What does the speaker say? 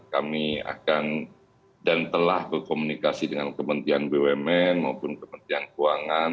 kami akan dan telah berkomunikasi dengan kementerian bumn maupun kementerian keuangan